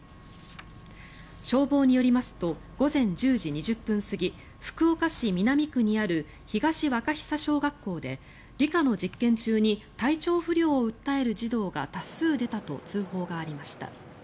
消防によりますと午前１０時２０分過ぎ福岡市南区にある東若久小学校で理科の実験中に体調不良を訴える児童が多数出たと通報がありました。